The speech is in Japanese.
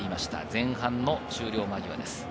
前半の終了間際です。